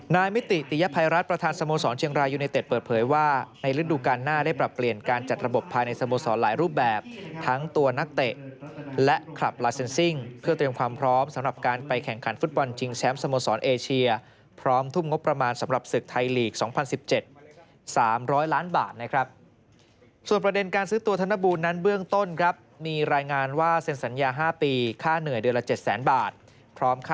นายมิติตียภัยรัฐประธานสโมสรเชียงรายยูเนตเต็ดเปิดเผยว่าในฤดูกาลหน้าได้ปรับเปลี่ยนการจัดระบบภายในสโมสรหลายรูปแบบทั้งตัวนักเตะและคลับลาเซ็นซิ่งเพื่อเตรียมความพร้อมสำหรับการไปแข่งขันฟุตบอลจิงแชมป์สโมสรเอเชียพร้อมทุ่มงบประมาณสำหรับสึก